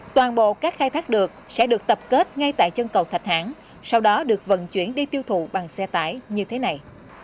toàn bộ cát khai thác được sẽ được tập kết ngay tại chân cầu thạch hãn sau đó được vận chuyển đi tiêu thụ bằng xe tải như thế này